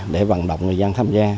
để bằng động người dân tham gia